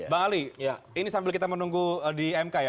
bang ali ini sambil kita menunggu di mk ya